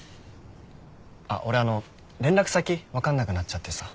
あっ俺連絡先分かんなくなっちゃってさ。